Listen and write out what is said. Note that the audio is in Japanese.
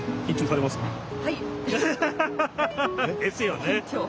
え？ですよね。